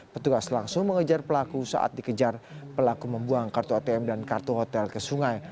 petugas langsung mengejar pelaku saat dikejar pelaku membuang kartu atm dan kartu hotel ke sungai